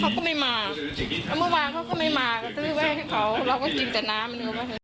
เขาก็ไม่มาแล้วเมื่อวานเขาก็ไม่มาซื้อไว้ให้เขาเราก็จริงจัดน้ำ